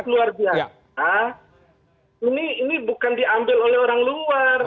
luar biasa ini bukan diambil oleh orang luar